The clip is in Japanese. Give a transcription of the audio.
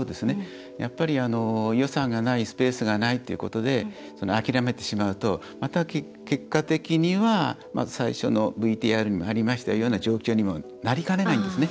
やっぱり、予算がないスペースがないってことで諦めてしまうとまた、結果的には最初のＶＴＲにもありましたような状況にもなりかねないんですね。